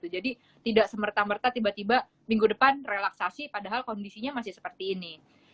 jadi tidak semerta merta tiba tiba minggu depan relaksasi padahal kondisinya masih seperti ini